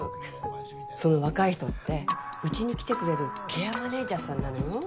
その若い人って家に来てくれるケアマネジャーさんなのよ。